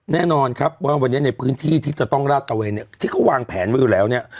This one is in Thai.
แน่นอนครับว่าวันนี้ในพื้นที่ที่จะต้องลาดตะเวนเนี่ยที่เขาวางแผนไว้อยู่แล้วเนี่ย